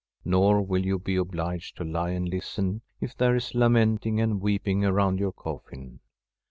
Nor will you be obliged to lie and listen if there is lamenting and weeping around your coffin.